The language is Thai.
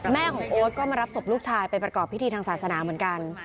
แม่ของโอ๊ตก็มารับศพลูกชายไปประกอบพิธีทางศาสนาเหมือนกัน